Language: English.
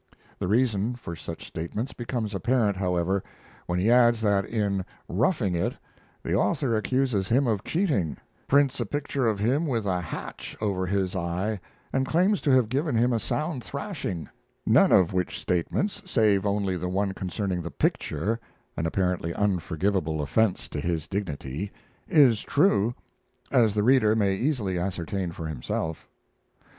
The reason for such statements becomes apparent, however, when he adds that in 'Roughing It' the author accuses him of cheating, prints a picture of him with a hatch over his eye, and claims to have given him a sound thrashing, none of which statements, save only the one concerning the picture (an apparently unforgivable offense to his dignity), is true, as the reader may easily ascertain for himself.